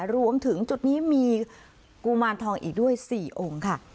รวมถึงจุดนี้มีกุมารทองอีกด้วย๔องค์ค่ะ